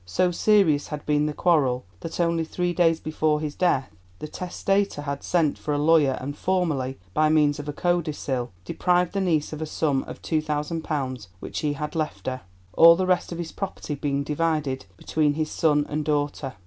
So serious had been the quarrel that only three days before his death the testator had sent for a lawyer and formally, by means of a codicil, deprived the niece of a sum of £2,000 which he had left her, all the rest of his property being divided between his son and daughter.